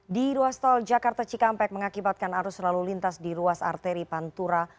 di ruas tol jakarta cikampek mengakibatkan arus lalu lintas di ruas arteri pantura